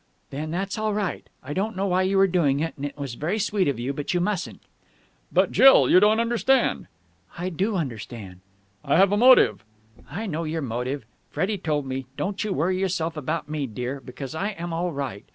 "Then that's all right. I know why you were doing it, and it was very sweet of you, but you mustn't." "But, Jill, you don't understand." "I do understand." "I have a motive...." "I know your motive. Freddie told me. Don't you worry yourself about me, dear, because I am all right.